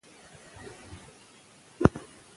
آیا مریم بیګم د شاه حسین عمه وه؟